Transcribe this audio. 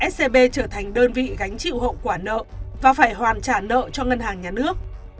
scb trở thành đơn vị gánh chịu hậu quả nợ và phải hoàn trả nợ cho ngân hàng nhà nước